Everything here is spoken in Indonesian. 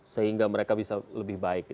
sehingga mereka bisa lebih baik